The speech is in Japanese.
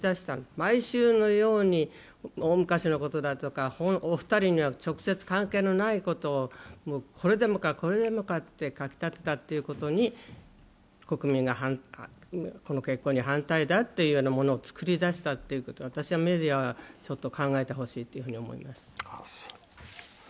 毎週のように大昔のことだとか、お二人には直接関係ないことをこれでもか、これでもかと書き立てたということに国民がこの結婚に反対だというものを作りだしたということを私はメディアはちょっと考えてほしいと思います。